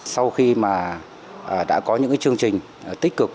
sau khi mà đã có những chương trình tích cực